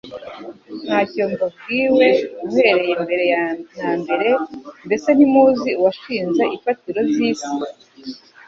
Ntacyo mwabwiwe uhereye mbere na mbere? Mbese ntimuzi uwashinze imfatiro z’isi ?